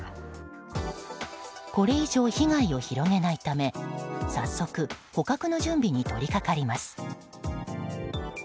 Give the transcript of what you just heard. これ以上被害を広げないため早速、捕獲の準備に取り掛かります。